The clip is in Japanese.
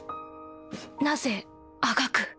なぜあがく？